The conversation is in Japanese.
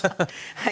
はい。